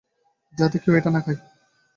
যাতে কেউ এটা না খায়।